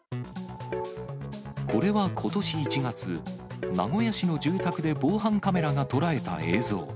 これはことし１月、名古屋市の住宅で、防犯カメラが捉えた映像。